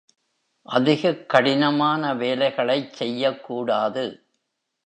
அதிகக் கடினமான வேலைகளைச் செய்யக் கூடாது.